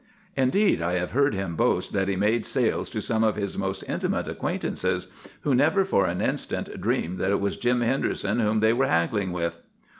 Indeed, I have heard him boast that he made sales to some of his most intimate acquaintances, who never for an instant dreamed that it was Jim Henderson whom they were haggling with.